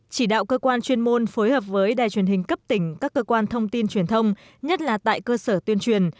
chỉ đạo cơ quan chuyên môn phối hợp với đài truyền hình cấp tỉnh các cơ quan thông tin truyền thông nhất là tại cơ sở tuyên truyền